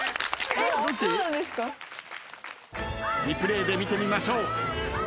リプレーで見てみましょう。